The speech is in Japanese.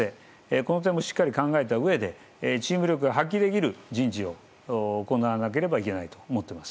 この点もしっかり考えたうえでチーム力が発揮できる人事を行わなければいけないと思っています。